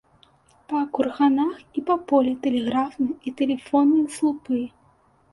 Па курганах і па полі тэлеграфныя і тэлефонныя слупы.